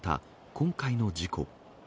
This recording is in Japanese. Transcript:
今回の事故。